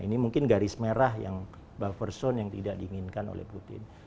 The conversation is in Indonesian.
ini mungkin garis merah yang buffer zone yang tidak diinginkan oleh putin